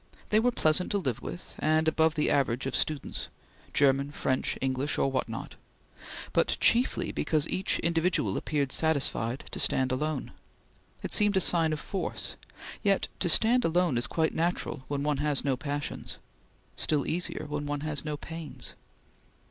They were pleasant to live with, and above the average of students German, French, English, or what not but chiefly because each individual appeared satisfied to stand alone. It seemed a sign of force; yet to stand alone is quite natural when one has no passions; still easier when one has no pains.